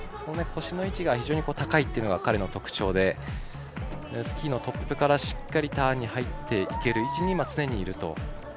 腰の位置が非常に高いのが彼の特徴でスキーのトップから、しっかりターンに入っていける位置に常にいると。